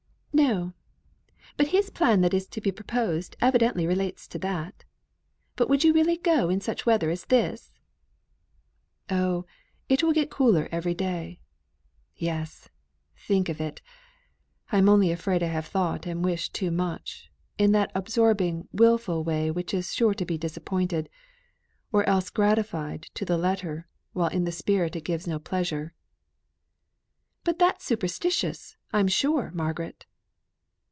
"No! but his plan that is to be proposed evidently relates to that. But would you really go in such weather as this?" "Oh, it will get cooler every day. Yes! Think of it. I am only afraid I have thought and wished too much in that absorbing wilful way which is sure to be disappointed or else gratified, to the letter, while in the spirit it gives no pleasure." "But that's superstitious, I'm sure, Margaret."